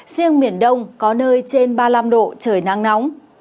riêng miền đông có nơi trên ba mươi năm độ trời nắng nóng